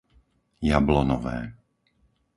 Jablonové